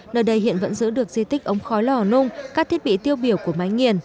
nơi đây hiện vẫn giữ được di tích ống khói lò nung các thiết bị tiêu biểu của máy nghiền